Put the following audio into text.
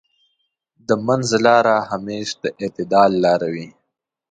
د منځ لاره همېش د اعتدال لاره وي.